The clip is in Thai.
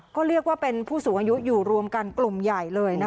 ก็เรียกว่าเป็นผู้สูงอายุอยู่รวมกันกลุ่มใหญ่เลยนะคะ